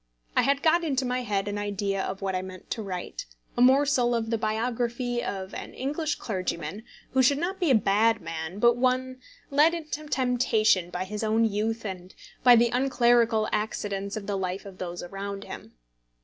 I had got into my head an idea of what I meant to write, a morsel of the biography of an English clergyman who should not be a bad man, but one led into temptation by his own youth and by the unclerical accidents of the life of those around him.